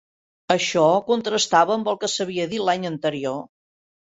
Això contrastava amb el que s'havia dit l'any anterior.